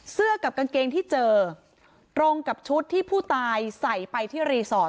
กับกางเกงที่เจอตรงกับชุดที่ผู้ตายใส่ไปที่รีสอร์ท